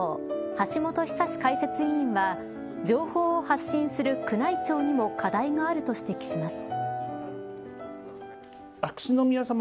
橋本寿史解説委員は情報発信する宮内庁にも課題があると指摘します。